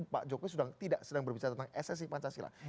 pak jokowi tidak sedang berbicara tentang esensi pancasila